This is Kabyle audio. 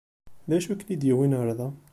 D acu i ken-id-yewwin ɣer da?